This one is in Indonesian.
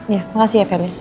iya makasih ya felis